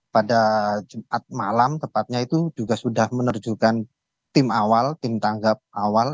pada jumat malam tepatnya itu juga sudah menerjukan tim awal tim tanggap awal